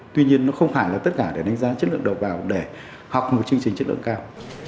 tuy nhiên nó không phải là tất cả để đánh giá chất lượng đầu vào để học một chương trình chất lượng cao